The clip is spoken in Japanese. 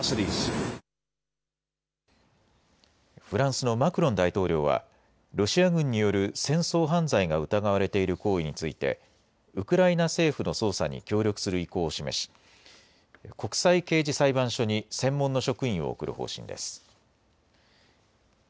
フランスのマクロン大統領はロシア軍による戦争犯罪が疑われている行為についてウクライナ政府の捜査に協力する意向を示し国際刑事裁判所に専門の職員を送る方針です。